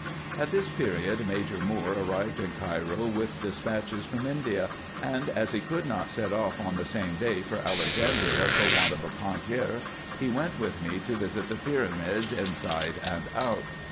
At this period Major Moore arrived in Cairo with despatches from India ; and, as he could not set off on the same day for Alex andria for want of a cangiar, he went with me to visit the pyramids IN EGYPT, NUBIA, Sec. 253 inside and out.